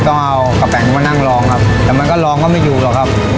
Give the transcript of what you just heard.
ต้องเอากระแป๋งมานั่งลองครับแต่มันก็ลองก็ไม่อยู่หรอกครับ